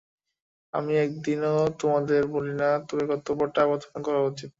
আমি একদিনও তোমাদের ভুলি না, তবে কর্তব্যটা প্রথমেই করা উচিত।